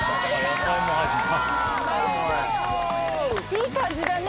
いい感じだね！